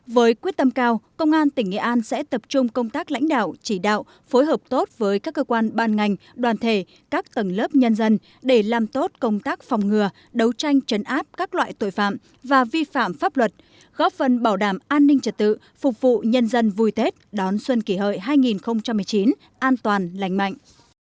với quyết tâm cao công an tỉnh nghệ an sẽ tập trung công tác lãnh đạo chỉ đạo phối hợp tốt với các cơ quan ban ngành đoàn thể các tầng lớp nhân dân để làm tốt công tác phòng ngừa đấu tranh chấn áp các loại tội phạm và vi phạm pháp luật góp phần bảo đảm an ninh trật tự phục vụ nhân dân vui tết đón xuân kỷ hợi hai nghìn một mươi chín an toàn lành mạnh